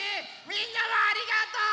みんなもありがとう！